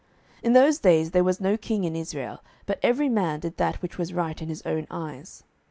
07:017:006 In those days there was no king in Israel, but every man did that which was right in his own eyes.